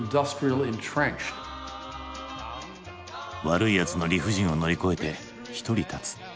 悪いやつの理不尽を乗り越えて独り立つ。